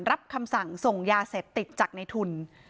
คำสั่งส่งยาเสพติดจากในทุน